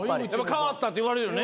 変わったって言われるよね？